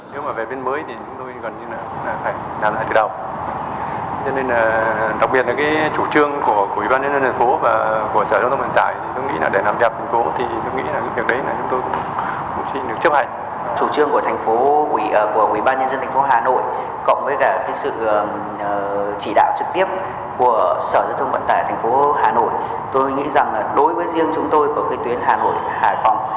cộng với sự chỉ đạo trực tiếp của sở giao thông vận tải thành phố hà nội tôi nghĩ rằng đối với riêng chúng tôi và tuyến hà nội hải phòng